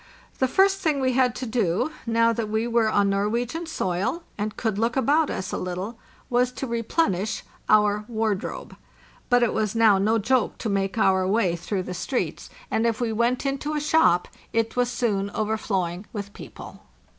The first thing we had to do, now that we were on Norwegian soil and could look about us a little, was to replenish our wardrobe. But it was now no joke to make our way through the streets, 586 FARTHEST NORTH and if we went into a shop it was soon overflowing with people.